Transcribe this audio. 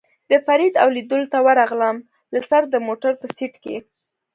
د فرید او لېدلو ته ورغلم، له سره د موټر په سېټ کې.